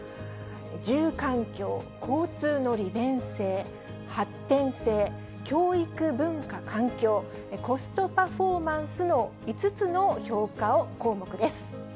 住環境、交通の利便性、発展性、教育・文化環境、コストパフォーマンスの５つの評価の項目です。